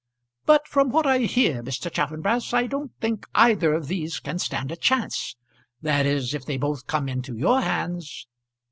"But from what I hear, Mr. Chaffanbrass, I don't think either of these can stand a chance; that is, if they both come into your hands."